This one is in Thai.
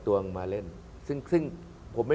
ตัวเซ็ตคนนี้